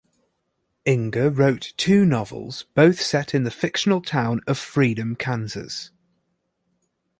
Inge wrote two novels, both set in the fictional town of Freedom, Kansas.